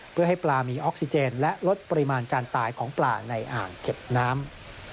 เพื่อให้ปลามีออกซิเจนและลดปริมาณการตายของปลาในอ่างเก็บน้ำ